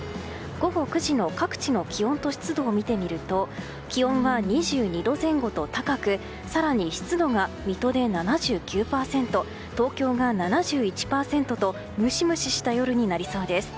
午後９時の各地の気温と湿度を見てみると気温は２２度前後と高く更に湿度が水戸で７９％東京が７１％とムシムシした夜になりそうです。